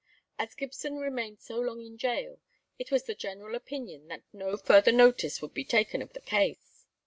As Gibson remained so long in gaol, it was the general opinion that no further notice would be taken of the case.